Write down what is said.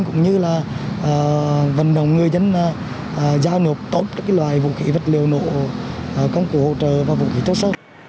cũng như là vận động người dân giao nộp tốt các loài vũ khí vật liệu nổ công cụ hỗ trợ và vũ khí thô sơ